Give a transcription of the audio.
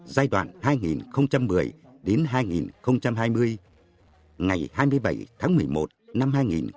giai đoạn hai nghìn một mươi đến hai nghìn hai mươi ngày hai mươi bảy tháng một mươi một năm hai nghìn chín